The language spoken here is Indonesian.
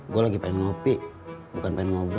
gua lagi pengen ngopi bukan pengen ngobrol